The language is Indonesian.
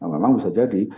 memang bisa jadi